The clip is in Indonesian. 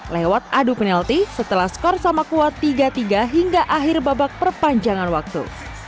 lewat adu penalti setelah skor sama kuat tiga tiga hingga akhir babak perpanjangan waktu